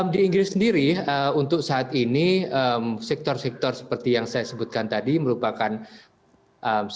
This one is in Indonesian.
di inggris sendiri untuk saat ini sektor sektor seperti yang saya sebutkan tadi merupakan sektor